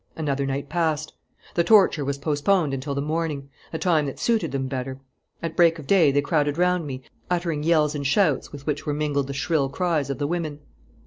Another night passed. The torture was postponed until the morning, a time that suited them better. At break of day they crowded round me, uttering yells and shouts with which were mingled the shrill cries of the women.